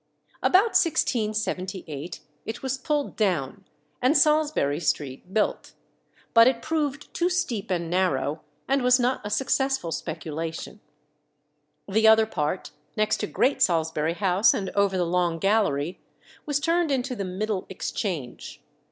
About 1678 it was pulled down, and Salisbury Street built; but it proved too steep and narrow, and was not a successful speculation. The other part, next to Great Salisbury House and over the Long Gallery, was turned into the "Middle Exchange."